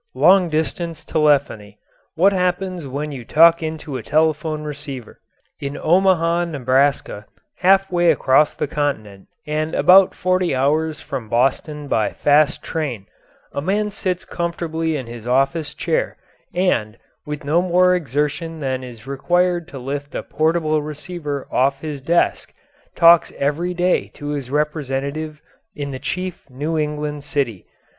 LONG DISTANCE TELEPHONY What Happens When You Talk into a Telephone Receiver In Omaha, Nebraska, half way across the continent and about forty hours from Boston by fast train, a man sits comfortably in his office chair and, with no more exertion than is required to lift a portable receiver off his desk, talks every day to his representative in the chief New England city.